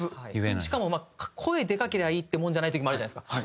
しかも声でかけりゃいいってもんじゃない時もあるじゃないですか。